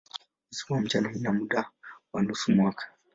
Usiku na mchana ina muda wa nusu mwaka.